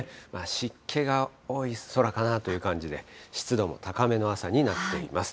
湿気が多い空かなという感じで、湿度も高めの朝になっています。